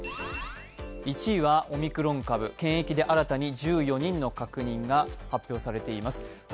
１位はオミクロン株、検疫で新たに１４人の感染が確認されています。